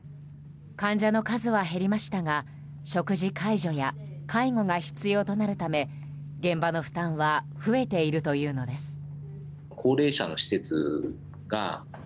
患者の数は減りましたが食事介助や介護が必要となるため現場の負担は増えているというのです。